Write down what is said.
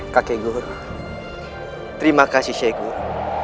kakek guru terima kasih sheikh guru